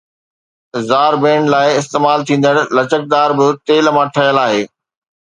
زار بينڊ لاءِ استعمال ٿيندڙ لچڪدار به تيل مان ٺهيل آهي